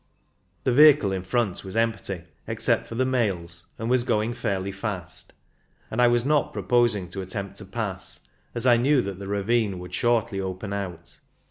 The vehicle in front was empty, except for the mails, and was going fairly fast, and I was not pro posing to attempt to pass, as I knew that the ravine would shortly open out.